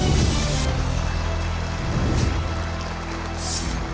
โอ้โฮ